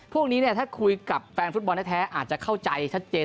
พวกนี้ถ้าคุยกับแฟนฟุตบอลแท้อาจจะเข้าใจชัดเจน